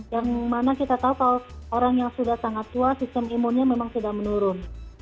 yang mana kita tahu kalau orang yang sudah sangat tua sistem imunnya memang sudah menurun